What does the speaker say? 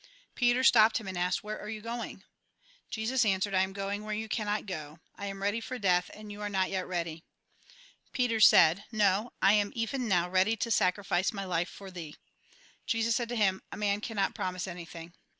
Peter stopped him, and asked :" "Where ave you going ?" Jesus answered :" I am going where you cannot go. I am 2 eady for death, and you are not yet ready." Peter said :" No, I am even now ready to sacrifice my life for thee." Jesus said to him :" A man cannot promise any thing."